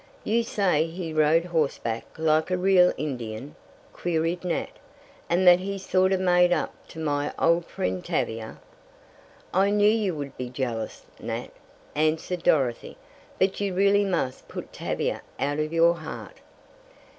"You say he rode horseback like a real Indian?" queried Nat. "And that he sort of made up to my old friend Tavia?" "I knew you would be jealous, Nat," answered Dorothy. "But you really must put Tavia out of your heart."